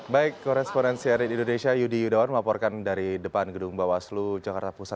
baik korespondensi dari indonesia yudi yudawan melaporkan dari depan gedung bawaslu jakarta pusat